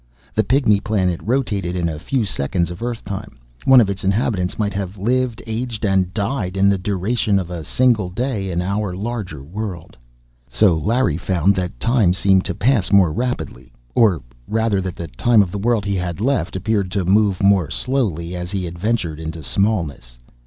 The Pygmy Planet rotated in a few seconds of earth time; one of its inhabitants might have lived, aged, and died in the duration of a single day in our larger world. So Larry found that time seemed to pass more rapidly, or rather that the time of the world he had left appeared to move more slowly, as he adventured into smallness.